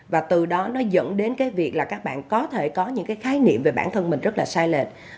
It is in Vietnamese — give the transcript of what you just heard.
và từ đó nó dẫn đến cái việc là các bạn có thể có những cái khái niệm về bản thân mình rất là sai lệch